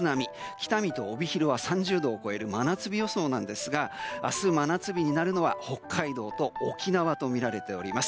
北見と帯広は３０度を超える真夏日予想なんですが明日、真夏日となるのは北海道と沖縄とみられております。